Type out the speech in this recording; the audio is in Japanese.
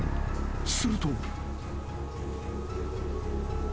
［すると］